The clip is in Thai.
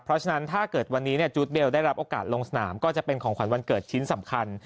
เพราะฉะนั้นถ้าเกิดวันนี้จูดเบลได้รับโอกาสลงสนามก็จะเป็นของขวัญวันเกิดชิ้นสำคัญ